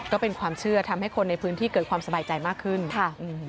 ก็เป็นความเชื่อทำให้คนในพื้นที่เกิดความสบายใจมากขึ้นค่ะอืม